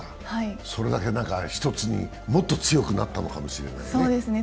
それだけ一つに、もっと強くなったのかもしれないね。